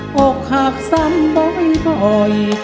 อบหักสั่นบ่อย